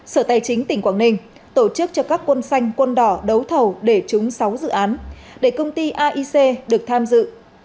sở tài chính tỉnh quảng ninh tổ chức cho các quân xanh quân đỏ đấu thầu để trúng sáu dự án để công ty aic được tham dự